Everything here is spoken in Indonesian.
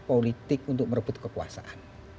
politik untuk merebut kekuasaan